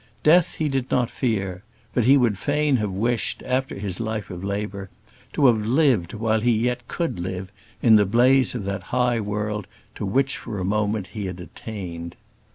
Death he did not fear; but he would fain have wished, after his life of labour, to have lived, while yet he could live, in the blaze of that high world to which for a moment he had attained.